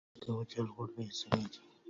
ووجه كوجه الغول فيه سماجة